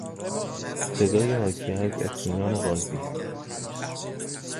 صدای حاکی از اطمینان قاضی